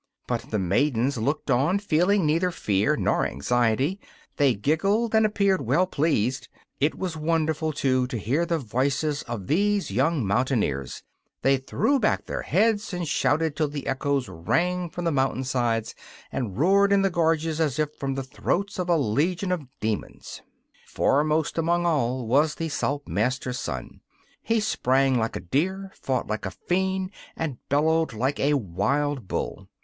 But the maidens looked on, feeling neither fear nor anxiety; they giggled and appeared well pleased. It was wonderful, too, to hear the voices of these young mountaineers; they threw back their heads and shouted till the echoes rang from the mountain sides and roared in the gorges as if from the throats of a legion of demons. Foremost among all was the Saltmaster's son. He sprang like a deer, fought like a fiend, and bellowed like a wild bull.